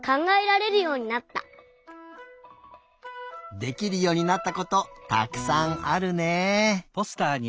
できるようになったことたくさんあるね。